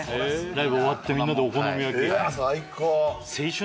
ライブ終わってみんなでお好み焼きうわ最高！